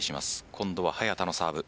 今度は早田のサーブ。